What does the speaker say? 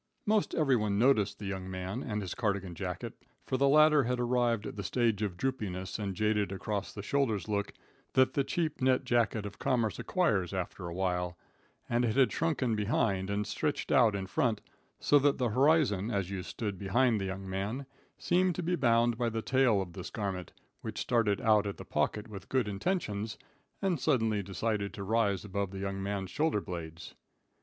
Most everyone noticed the young man and his cardigan jacket, for the latter had arrived at the stage of droopiness and jaded across the shoulders look that the cheap knit jacket of commerce acquires after awhile, and it had shrunken behind and stretched out in front so that the horizon, as you stood behind the young man, seemed to be bound by the tail of this garment, which started out at the pocket with good intentions and suddenly decided to rise above the young man's shoulder blades.